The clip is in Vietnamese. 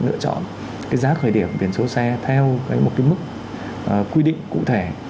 lựa chọn cái giá khởi điểm biển số xe theo một cái mức quy định cụ thể